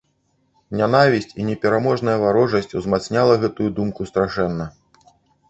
Нянавісць і непераможная варожасць узмацняла гэтую думку страшэнна.